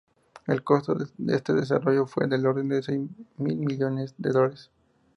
El costo de este desarrollo fue del orden de seis mil millones de dólares.